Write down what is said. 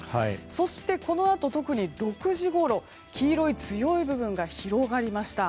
そしてこのあと特に６時ごろ黄色い強い部分が広がりました。